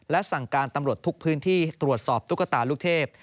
และสั่งการตำรวจทุกพื้นที่ตรวจสอบตุ๊กตาลูกเทพ